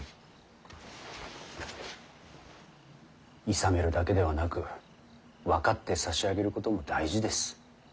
いさめるだけではなく分かってさしあげることも大事です。